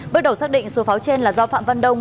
bước đầu xác định số pháo trên là do phạm văn đông